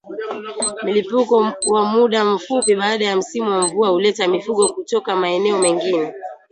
Mlipuko wa muda mfupi baada ya msimu wa mvua huleta mifugo kutoka maeneo mengine